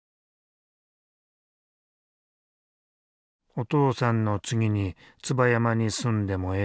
「お父さんの次に椿山に住んでもええで」。